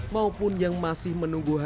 maupun yang masih menunggu